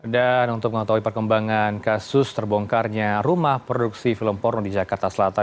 dan untuk mengetahui perkembangan kasus terbongkarnya rumah produksi film porno di jakarta selatan